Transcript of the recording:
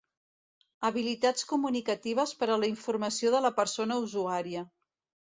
Habilitats comunicatives per a la informació de la persona usuària.